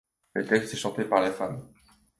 Le texte est chanté par la femme.